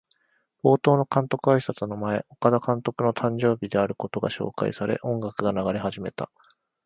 冒頭の監督あいさつの前、岡田監督の誕生日であることが紹介され、音楽が流れ始めた。